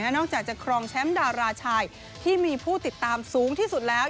นอกจากจะครองแชมป์ดาราชายที่มีผู้ติดตามสูงที่สุดแล้ว